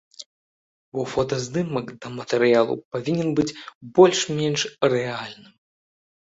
Бо фотаздымак да матэрыялу павінен быць больш-менш рэальным.